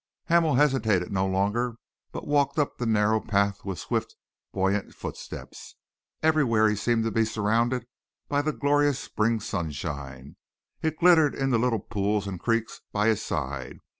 Hamel hesitated no longer but walked up the narrow path with swift, buoyant footsteps. Everywhere he seemed to be surrounded by the glorious spring sunshine. It glittered in the little pools and creeks by his side.